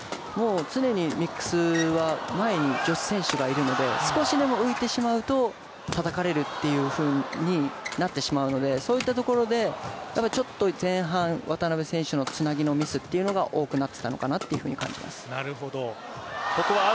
常にミックスは女子選手が前にいるので少しでも浮いてしまうとはたかれるというふうになってしまうのでそういったところで、ちょっと前半渡辺選手のつなぎのミスが多くなっていたのかなと感じます。